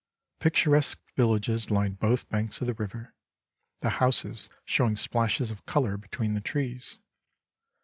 Picturesque villages lined both banks of the river, the houses showing splashes of colour between the trees.